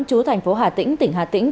chú thành phố hà tĩnh tỉnh hà tĩnh